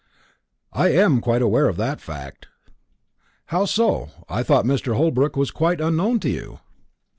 "I am quite aware of that fact." "How so? I thought Mr. Holbrook was quite unknown to you?"